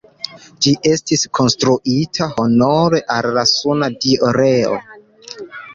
Ĝi estis konstruita honore al la suna dio Reo.